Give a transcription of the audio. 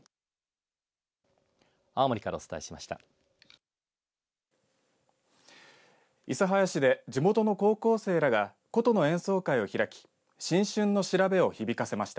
青森からお伝えしました。